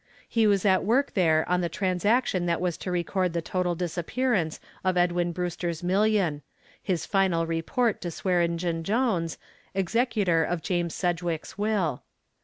He was at work there on the transaction that was to record the total disappearance of Edwin Brewster's million his final report to Swearengen Jones, executor of James Sedgwick's will.